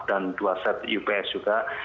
dan dua set ups juga